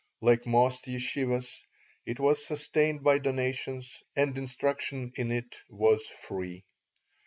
Like most yeshivahs, it was sustained by donations, and instruction in it was free.